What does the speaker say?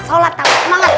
sholat tambah semangat